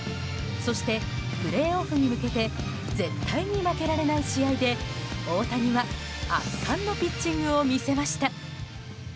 そして、プレーオフに向けて絶対に負けられない試合で大谷は圧巻のピッチングを見せました。